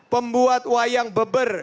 pembuat wayang beber